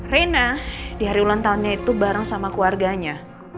reina di hari ulang tahunnya itu bareng sama keluarganya